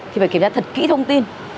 thì phải kiểm tra thật kỹ thông tin